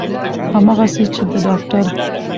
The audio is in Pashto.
همغسې چې د داکتر